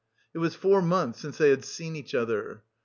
It was four months since they had seen each other.